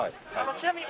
ちなみに。